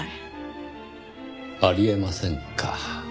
あり得ませんか。